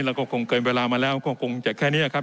แล้วก็คงเกินเวลามาแล้วก็คงจะแค่นี้ครับ